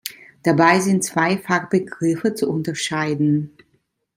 Dabei sind zwei Fachbegriffe zu unterscheiden.